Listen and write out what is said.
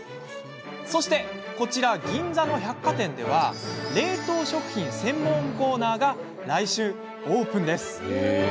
そして、こちら銀座の百貨店では冷凍食品専門コーナーが来週オープン。